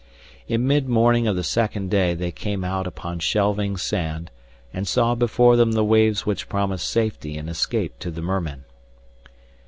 In mid morning of the second day they came out upon shelving sand and saw before them the waves which promised safety and escape to the mermen.